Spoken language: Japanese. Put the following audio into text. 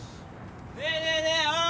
ねえねえねえおい